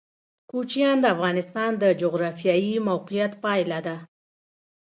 کوچیان د افغانستان د جغرافیایي موقیعت پایله ده.